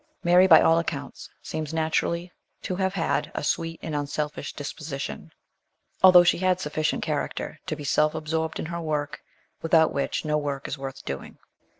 Mary, by all accounts, seems naturally to have had a sweet and unselfish disposition, although she had sufficient character to be self absorbed in her work, without which no work is worth doing.